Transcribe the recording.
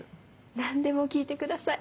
何でも聞いてください。